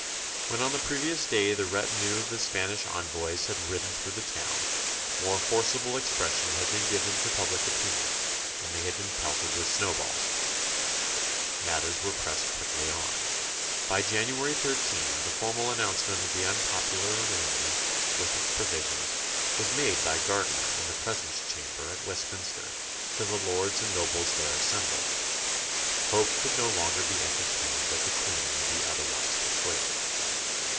When on the previous day the retinue of the Spanish envoys had ridden through the town, more forcible expression had been given to public opinion, and they had been pelted with snowballs. Matters were pressed quickly on. By January 13 the formal announcement of the unpopular arrangement, with its provisions, was made by Gardiner in the Presence chamber at Westminster to the lords and nobles there assembled; hope could no longer be entertained that the Queen would be otherwise persuaded.